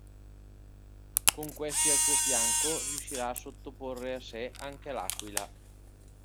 Con questi al suo fianco, riuscirà a sottoporre a sé anche l'aquila.